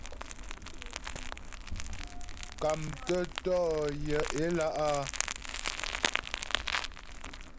Mkámtə́ tɔ̌ yaə̌ ě lá' a.